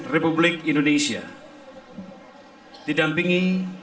republik indonesia didampingi